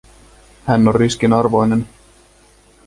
Hän on riskin arvoinen.